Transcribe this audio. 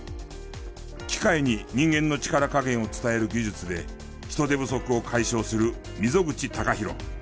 機械に人間の力加減を伝える技術で人手不足を解消する溝口貴弘。